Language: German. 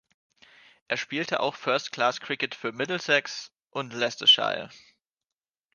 Er spielte auch Firstclass-Cricket für Middlesex und Leicestershire.